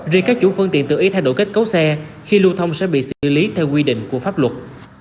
riêng các chủ phương tiện tự ý thay đổi kết cấu xe khi lưu thông sẽ bị xử lý theo quy định của pháp luật